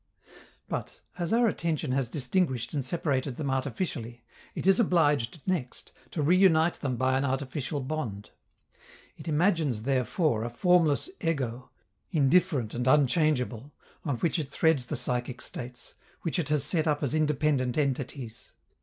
But, as our attention has distinguished and separated them artificially, it is obliged next to reunite them by an artificial bond. It imagines, therefore, a formless ego, indifferent and unchangeable, on which it threads the psychic states which it has set up as independent entities.